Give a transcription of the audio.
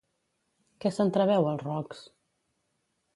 Què s'entreveu als rocs?